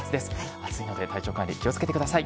暑いので体調管理、気をつけてください。